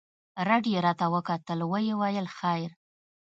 رډ يې راته وکتل ويې ويل خير.